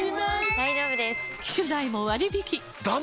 大丈夫です！